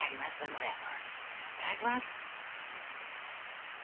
これいただきます